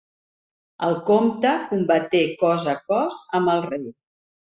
El comte combaté cos a cos amb el rei.